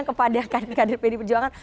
kepada kader kader pd perjuangan